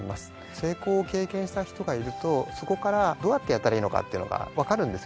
成功を経験した人がいるとそこからどうやってやったらいいのかっていうのが分かるんですよね。